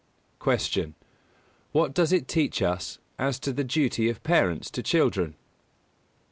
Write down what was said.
Q. _What does it teach as to the duty of parents to children?